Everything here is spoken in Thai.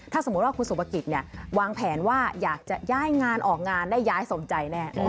ถ้าสมมุติว่าคุณสุภกิจวางแผนว่าอยากจะย้ายงานออกงานได้ย้ายสมใจแน่